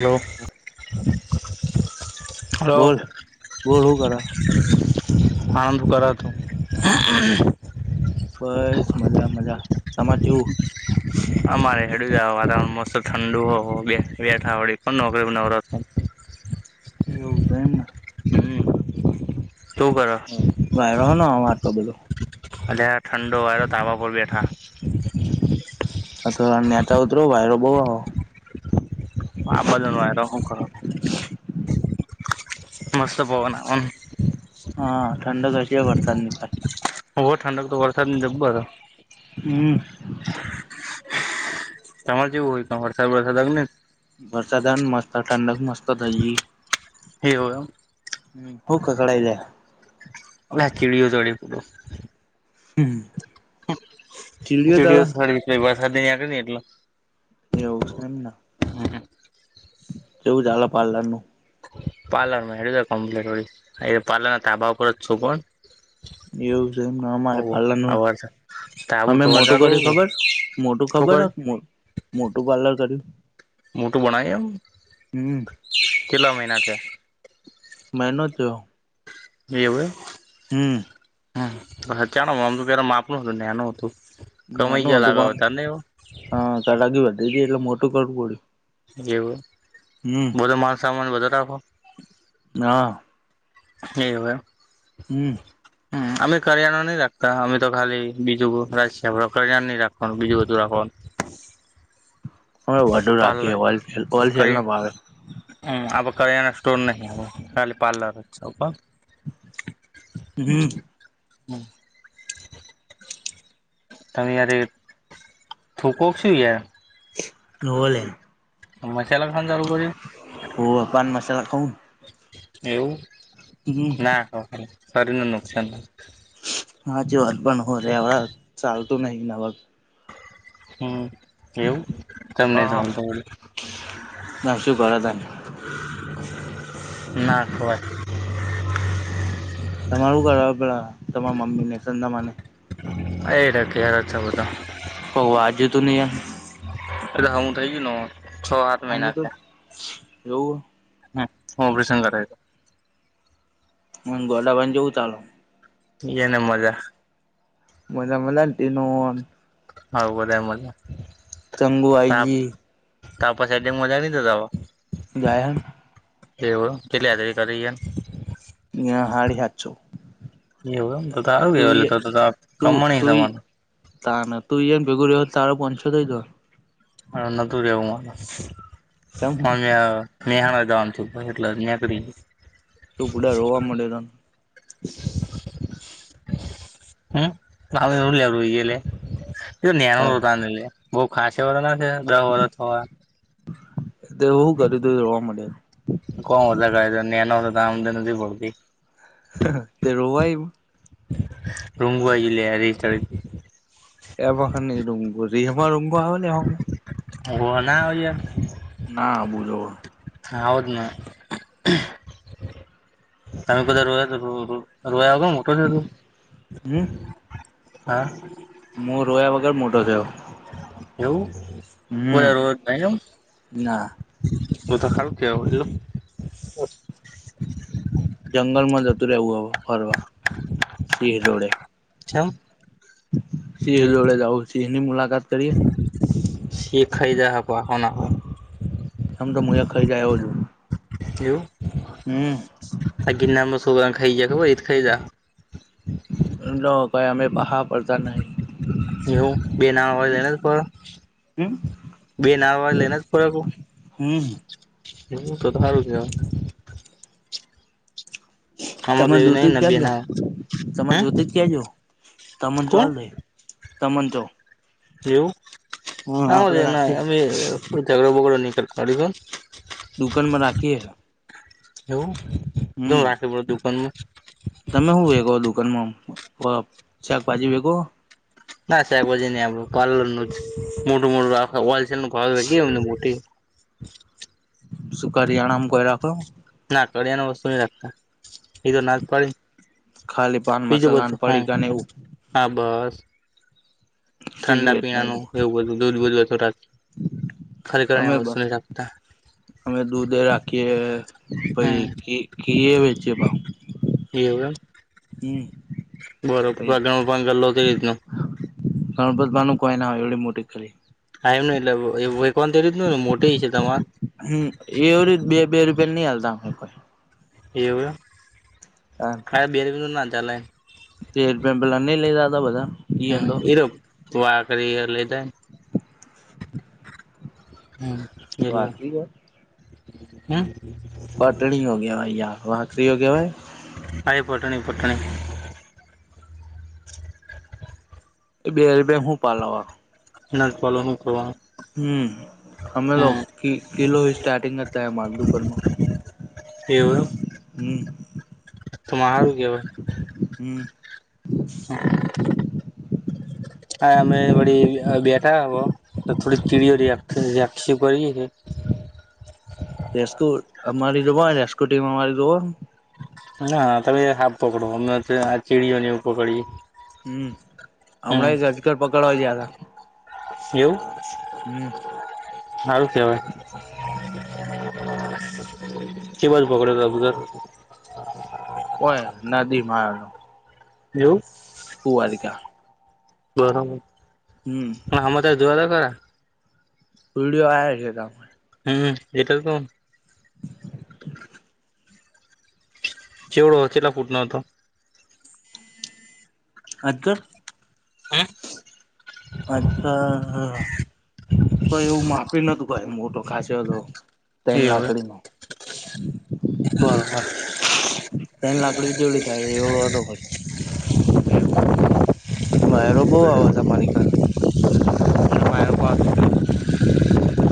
Hello, hello. બોલ બોલ હું કરે [unintelligible] કર ત હું. બસ, મજા મજા. તમારે કેવું? અમારે હેંડ્યુ છે, આ વાતાવરણ મસ્ત ઠંડુ હો. બે બેઠા વળી [unintelligible] નોકરીમાં નવરાશ એવું સે એમ ના. તુ કરે? [unintelligible] રહો ન આ આટલો બધો. અલ્યા ઠંડો વાયરો, ધાબા પર બેઠા. [unintelligible] હેઠા ઉતરો, વાયરો બહુ આવો. આ [unintelligible] વાયરો હું કર. મસ્ત પવન આવે ન. હા ઠંડક હશે વરસાદની ભાઈ. બહુ ઠંડક તો વરસાદની જબ્બર. હમ. તમારે કેવું હોય, તાં વરસાદ બરસાદ [unintelligible] ને વરસાદ આયો ને, મસ્ત ઠંડક મસ્ત થઈ જી. એવુ એમ. હમ ખુબ ખખડાઈ જાય. ઓ ચીળીઓ તડી પડો હમ જેવીહ સાડી વરસાદી આકે ને એટલો એવું છે એમ કેવું ચાલે પાર્લર નું પાર્લરમાં ને હેડે છે કમ્પ્લીટ વડી એ પાર્લર ના ધાબા ઉપર જ છો કોને એવું છે એમને અમારે આ પાર્લરનું વરસાદ તાબુ અમે ધોવાનું મોટું ચાલુ કર્યું ખબર મોટું શું ખબર કર્યું મોટું પાર્લર કર્યું મોટું બનાવ્યુ એમ હમ કેટલા મહીના થયા મહેનત જો એવું એમ હમ હચાણ આમ તો પે માપનું હતું ને એનું હતું કમાઇ ગયા લાગાવ હતા ને એવ હ કડાકી વધી ગઈ એટલે મોટું કરવું પડ્યું એવું હમ બધો માલસામાન બધો રાખો હા એવુ એમ હમ હા અમે કરિયાણા નહી રાખતા અમે તો ખાલી બીજું રાજ કરિયાણા ન રાખ બીજું બધું રાખો હ વધુ રાખીએ હોલસેલ હોલસેલ ન ભાવે હમ અઆપડે કરિયાણા સ્ટોર નહી ખાલી પાાર્લર જ છે એવું કો હં હમ તમે યાર થૂકો ક શુ યાર હોવે લ્યા મસાલા ખાવાન ચાલું કર્યુ હોવે પાન મસાલા ખાવુન એવું ના કરો શરીર ને નુકસાન થાય હા જર પણ હો રે હ ચાલતું નહી અવે હમ એવુ કેમ નહી ચાલતુ વડી ના શું કરે તને ના હોય. તમારું ઘર હ પે તમારા મમ્મી ને સંંદામાને એટ કેર છ બ તો ભગવાત જ તો નહી. એ હું થઈ ગ ન છ આઠ આમ તો એવું હમ હ બ શંગર. હ ગોડાબાઈ જવું ચાલો. એને મજા. મજા મજા આતી નન. હા બધા મજા. ચંગુવાઈજી તા પા સાડ મજા નઈ થતા હવે. ગાયર એવું કેટલી હાજરી કરી છે ને. હારી હત છો. એવું એમ તો આવ ગયો એટલે તો કમણ સમાન. ત ના તું જા બેગરરી હોય તોો પંચતેઈ દો હ ન દુરિયાવું ચમ મા અમ્યા. મેહણા જવાનું છ એટલે નેક તું પુડા રોવા મળે તો ને હમ તુંઈયે એ હા ત. બઉ ખાાસ વળ ના છે દહ વર્ષ થવા. એ તો શું કરી તોું જોવા મળે. કોણ હોતા ક તો નેનો તો અમ નથી પડતી. તે રોવાયું. રુંંગવા જિલ્ લલે અ ર તળ. એવર ખા રૂમ બો જે હમાં રૂમ બ હલી એને ઓ ના હોયયમ. ના બુ જો. હદ ન. તમે કધા રોયા તો રોયાગો મોટો છે. હમ. હા. હું રોયા વગર મોટો થયો. એવું હમ પરા રોજ ન એમ. ના બું તો ખારું કેવા એ. જંગલમાં જતું રહેવું હ ફરવા સિહરોડે. છેમ. સિંહ જોડે જાવ સિંહ ની મુલાકાત કરીએ ને. શી ખાઈદા હકો હોના હો. આમ તો મુ ખાઈ જાય આવ્યો છું. એ. હમ. આજ ગિનારમા સોકરાને ખાઈ ગ્યા હો એવીતે ખાઈ જાહે. ના હો ભાઈ અમે પાહા પડતા નહી.. એવું? બેના હોય એલપ હક્ન્. બેન આવ લયને જ ફરવું. હમ એવું તો તો સારું કેવાય. આમાં તો તમાર એવી નહીં જોતુત ને બે કાડલો. નાળ તમાર હે જોતુત કાડલો. તમન કોણ ચાલ દેય. તમન જો એવું? કોણ આપડે એને રાખીએ ઝગડો બગડો નઈ કરતા [unintelligible] દુકાનમાં રાખીએ એવું? [unintelligible] હમ રાખે બધુ દુકાનમાં તમે હું વેગો દુકાનમાં શાકભાજી વેગો ના શાકભાજી ની આપનુ પાલરનું જ મોટું મોટું રાખે હોલસેલ [unintelligible] એમની મોટી શુંકારીયાણામ કોય રાખો ના કરિયાણા વસ્તુ નઈ રાખતા એ તો ના જ પાડી ખાલી પાન મસાલાન પડીકાને એવું આબસ. ઠંડા સિગરેટ ને પીણાનું એવું બધું દૂધ બૂધ બધુ રાખ ખાલી કરિયાણા વસ્તુ નહી રાખતા. હમે દૂધે રાખીએ પહી હમ ઘી ઘીએ વચીએ પાહું એવું એમ હમ બોલો પોતાનો પણ ગલ્લો કે રીતનો હા પોતાનું કોઈ ના હોય એવડી મોટી કઢી [unintelligible] હમ એ એવી રીત બે-બે રૂપિયાની નહી આલતા એવુ એમ હા બે રૂપિયા નું ના ચાલે [unintelligible] પેલા ન‌ઈ લેતા હતા બધા? ઈ હા તો એરો વાખરી એટલે તે [inaudible] હંમ કેટલા વાકરી હંમ પાટણી ભગીયા યા વાઘરી હો કેવાય હાય પોટણી પોટણી [inaudible] એ બે રૂપિયા હું પાલવા ના જ પાડલુહું કરવાનું? હમ અમે તો હમ કિકિલો હી સ્ટાર્ટિંગ અત્યારે માર દુકાનનું એવું એમ હમ્મ તો હારુ કેવાઈ હમ હ હા અમે વળી આય બેઠા હવ તો થોડુંક [unintelligible] ભરીએ હી રેસ્કુ અમારી જોવા રેસ્કુ ટીમ અમારી જોવ? અને હાથડે હાફ પકડો અમમે હાપ ચીડીઓને એવું પકડીએ હમ અમને હમ એક અજગર પકડવા ગયા તા એવું? હમ હારું કેવાય. કે બાજુ પકડ્યો તો અજગર? કોને નદી માં. એવુ બરાબર. હમ. હા આમાં તો જોવો તો ખરા વિડિઓ આયા છે ત હમ એત કૌ. ચેવડો હતો કેટલા ફૂટ ન હતો? હતો હે. [inaudible] કઈ એવું માપી નતું કઈ મોટો ખાસો હતો. એ તન હવે લાકડી ન બરોબર તન લાકડી જેવડી થાય એવડો હતો વાયરો બો આવે છે, તમારી ધરે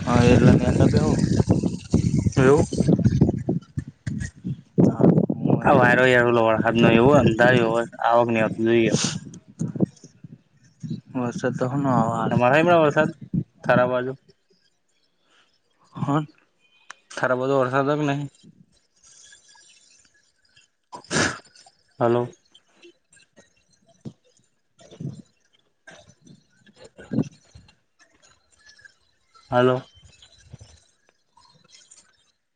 હા એટલે નેચા બેહો એવુ આ વાયરો યાર ઓલો વળહદનો એવો અંધારિયો હોય આવક નહત હોઈએ. વરસાદ તો હન આવ તમારા હમણા વરસાદ થારા બાજુ [inaudible] તાર બધો વરસાદો કે નહી? હાલો. [inaudible] [inaudible] હાલો.